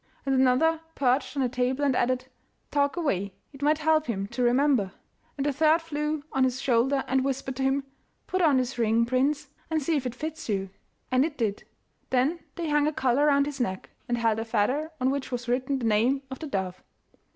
And another perched on a table and added, 'Talk away, it might help him to remember!' And the third flew on his shoulder and whispered to him, 'Put on this ring, prince, and see if it fits you.' And it did. Then they hung a collar round his neck, and held a feather on which was written the name of the dove.